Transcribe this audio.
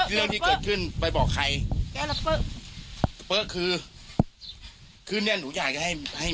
เรื่องที่เกิดขึ้นไปบอกใครแกละคือคือเนี้ยหนูอยากให้ให้